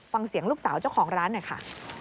ฟังเสียงลูกสาวเจ้าของร้านหน่อยค่ะ